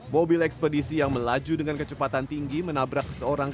mobil ekspedisi yang melaju dengan kecepatan tinggi menabrak seorang